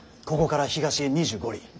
ここから東へ２５里。